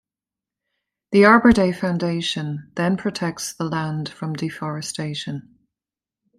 The Arbor Day Foundation then protects the land from deforestation.